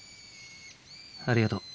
ありがとう。